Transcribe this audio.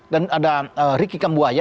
dan ada ricky kamboja